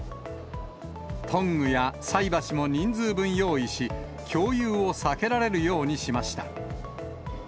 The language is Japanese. トングや菜箸も人数分用意し、共有を避けられるようにしました。